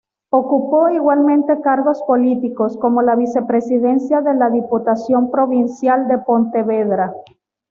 Ocupó igualmente cargos políticos como la vicepresidencia de la Diputación Provincial de Pontevedra.